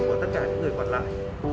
của tất cả những người còn lại